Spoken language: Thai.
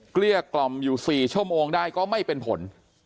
เกลี้ยกล่อมอยู่๔ชั่วโมงได้ก็ไม่เป็นผล